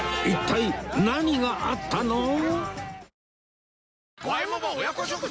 一体何があったの？